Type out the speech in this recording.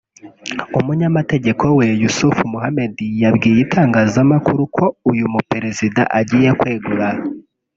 umunyamategeko we Yusuf Mohamed yabwiye itangazamakuru ko uyu muperezida agiye kwegura